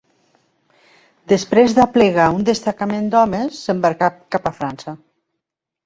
Després d'aplegar un destacament d'homes, s'embarcà cap a França.